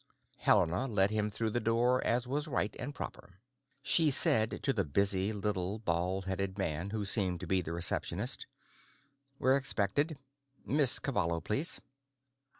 Helena led him through the door, as was right and proper. She said to the busy little bald headed man who seemed to be the receptionist, "We're expected. Miss Cavallo, please."